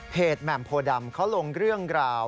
เพจแมมโพอดำเค้าลงเรื่องกราว